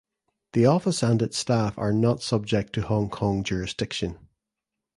The office and its staff are not subject to Hong Kong jurisdiction.